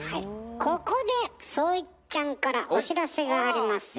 ここで創一ちゃんからお知らせがありますよ。